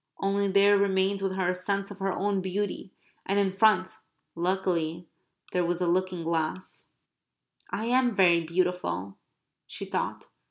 Only there remained with her a sense of her own beauty, and in front, luckily, there was a looking glass. "I am very beautiful," she thought.